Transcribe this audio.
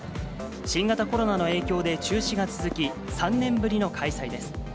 新型コロナの影響で中止が続き、３年ぶりの開催です。